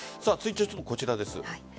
続いてはこちらです。